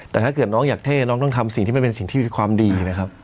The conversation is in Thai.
แต่ถ้าเกิดน้องอยากเท่น้องต้องทำสิ่งที่มันเป็นสิ่งที่มีความดีนะครับ